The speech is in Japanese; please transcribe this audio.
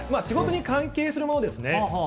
仕事に関係するものですね。